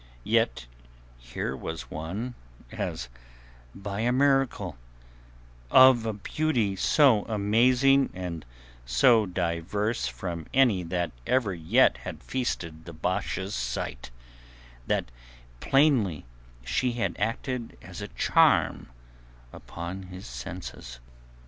Yet here was one as by a miracle, of a beauty so amazing and so diverse from any that ever yet had feasted the Basha's sight, that plainly she had acted as a charm upon his senses.